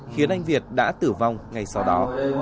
khiến anh việt đã tử vong ngay sau đó